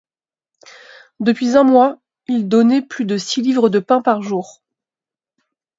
Depuis un mois, il donnait plus de six livres de pain par jour.